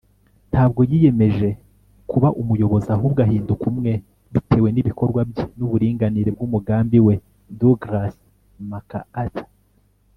ntabwo yiyemeje kuba umuyobozi, ahubwo ahinduka umwe bitewe n'ibikorwa bye n'uburinganire bw'umugambi we. - douglas macarthur